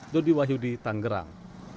dodi wahyudi tangerang